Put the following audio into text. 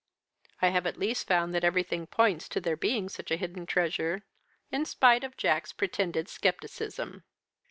"I have at least found that everything points to there being such a hidden treasure in spite of Jack's pretended scepticism."